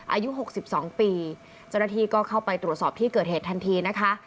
อายุ๖๒ปีเจ้าหน้าที่ก็เข้าไปตรวจสอบที่เกิดเหตุทันทีนะคะ